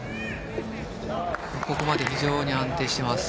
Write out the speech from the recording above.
ここまで非常に安定しています。